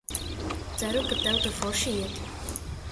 Ceru, ka tev tur forši iet!